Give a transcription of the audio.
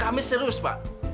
kami serius pak